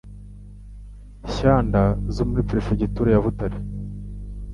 Shyanda zo muri Perefegitura ya Butare).